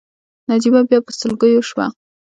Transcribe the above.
نجيبه بيا په سلګيو شوه.